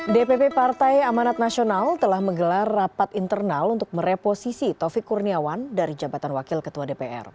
dpp partai amanat nasional telah menggelar rapat internal untuk mereposisi taufik kurniawan dari jabatan wakil ketua dpr